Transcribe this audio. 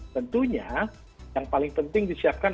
tentunya yang paling penting disiapkan